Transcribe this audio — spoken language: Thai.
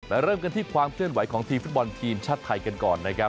เริ่มกันที่ความเคลื่อนไหวของทีมฟุตบอลทีมชาติไทยกันก่อนนะครับ